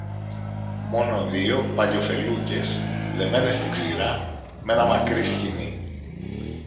Μόνο δυο παλιοφελούκες δεμένες στην ξηρά μ' ένα μακρύ σκοινί